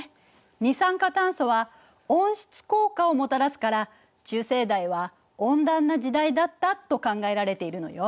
二酸化炭素は温室効果をもたらすから中生代は温暖な時代だったと考えられているのよ。